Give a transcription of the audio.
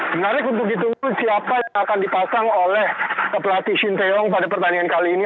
menarik untuk ditunggu siapa yang akan dipasang oleh pelatih shin taeyong pada pertandingan kali ini